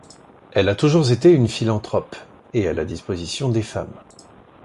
Elle a toujours été une philanthrope et à la disposition des femmes.